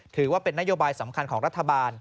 ถือว่าเป็นนโยบายสำคัญของรัฐบาล